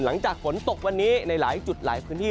หลังจากฝนตกวันนี้ในหลายจุดหลายพื้นที่